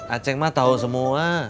aceng emang tau semua